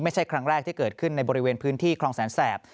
ไม่ใช่ครั้งแรกที่เกิดขึ้นในบริเวณพื้นที่คลองแสนแสบ